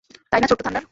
তাই না, ছোট্ট থান্ডার?